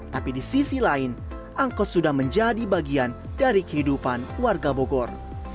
tapi di sisi lain angkot sudah menjadi bagian dari kehidupan warga bogor